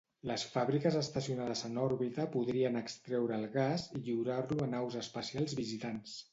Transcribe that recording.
Les fàbriques estacionades en òrbita podrien extreure el gas i lliurar-lo a naus espacials visitants.